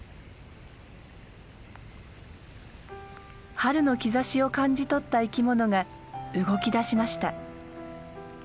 春の兆しを感じ取った生きものが動きだしました。